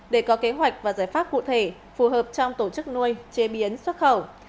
để có kế hoạch và giải pháp cụ thể phù hợp trong tổ chức nuôi chế biến xuất khẩu